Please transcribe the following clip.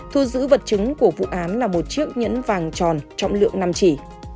thu giữ vật chứng của vụ án là một chiếc nhẫn vàng tròn trọng lượng năm chỉ